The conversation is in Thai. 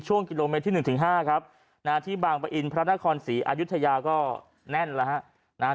ช่วงกิโลเมตรที่๑๕ครับที่บางประอินพระนครศรีอายุทยาก็แน่นแล้ว